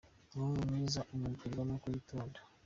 Umuhungu mwiza umubwirwa nuko yitonda.